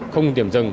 không điểm dừng